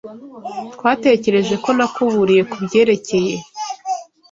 Twatekereje ko nakuburiye kubyerekeye.